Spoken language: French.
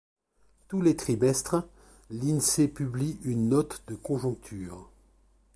Tous les trimestres, l'Insee publie une note de conjoncture.